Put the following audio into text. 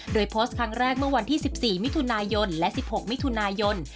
โดยโพสต์ครั้งแรกเมื่อวันที่๑๔มิถุนายนและ๑๖มิถุนายน